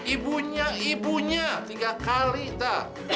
ibunya ibunya tiga kali tak